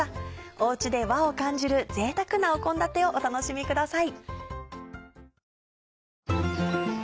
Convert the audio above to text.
おうちで和を感じるぜいたくな献立をお楽しみください。